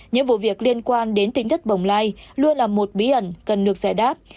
những vụ việc liên quan đến tính thất bồng lai luôn là một bí ẩn cần được giải đáp